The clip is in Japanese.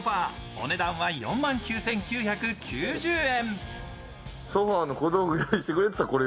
お値段は４万９９９０円。